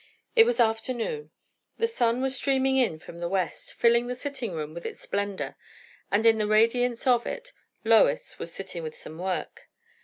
It was afternoon. The sun was streaming in from the west, filling the sitting room with its splendour; and in the radiance of it Lois was sitting with some work.